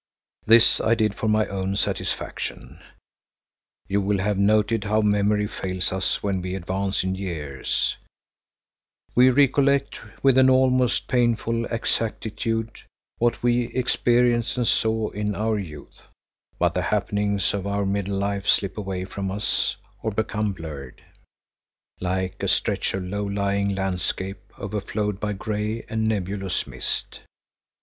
This I did for my own satisfaction. You will have noted how memory fails us as we advance in years; we recollect, with an almost painful exactitude, what we experienced and saw in our youth, but the happenings of our middle life slip away from us or become blurred, like a stretch of low lying landscape overflowed by grey and nebulous mist.